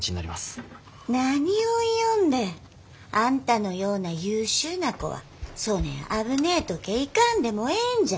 あんたのような優秀な子はそねん危ねえとけえ行かんでもええんじゃ。